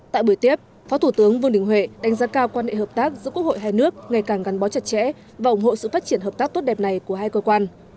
tại buổi tiếp phó thủ tướng vương đình huệ đánh giá cao quan hệ hợp tác giữa quốc hội hai nước ngày càng gắn bó chặt chẽ và ủng hộ sự phát triển hợp tác tốt đẹp này của hai cơ quan